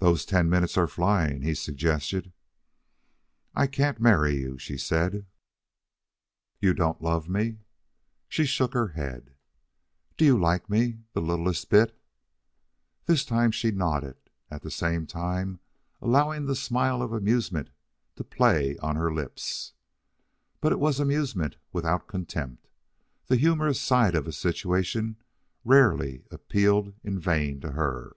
"Those ten minutes are flying," he suggested. "I can't marry you," she said. "You don't love me?" She shook her head. "Do you like me the littlest bit?" This time she nodded, at the same time allowing the smile of amusement to play on her lips. But it was amusement without contempt. The humorous side of a situation rarely appealed in vain to her.